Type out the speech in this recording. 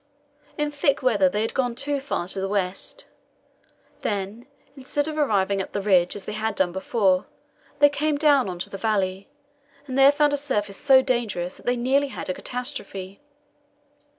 In thick weather they had gone too far to the west; then, instead of arriving at the ridge, as we had done before, they came down into the valley, and there found a surface so dangerous that they nearly had a catastrophe.